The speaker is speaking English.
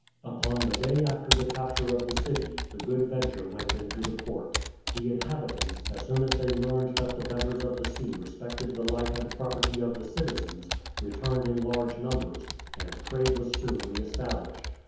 Upon the day after the capture of the city, the Good Venture went into the port. The inhabitants, as soon as they learned that the beggars of the sea respected the life and property of the citizens, returned in large numbers, and trade was soon re established.